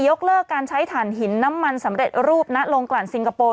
ยกเลิกการใช้ฐานหินน้ำมันสำเร็จรูปณลงกลั่นซิงคโปร์